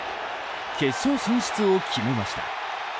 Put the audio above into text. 決勝進出を決めました。